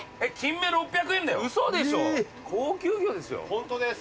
ホントです。